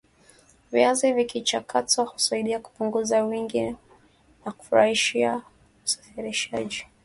viazi vikichakatwa husaidia Kupunguza uwingi na kurahisisha usafirishaji